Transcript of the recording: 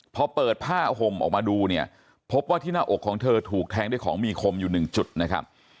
พอเปิดผ้าห่มออกมาดูเนี่ยพบว่าที่หน้าอกของเธอถูกแทงด้วยของมีคมอยู่หนึ่งจุดนะครับ